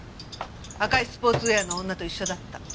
赤いスポーツウエアの女と一緒だった。